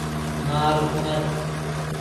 نارکند